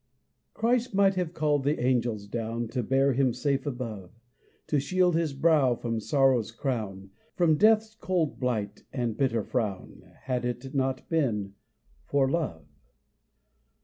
Christ might have called the angels down To bear him safe above, To shield his brow from sorrow's crown, From death's cold blight, and bitter frown, Had it not been for love.